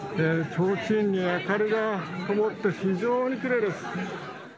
ちょうちんに明かりがともって非常にきれいです。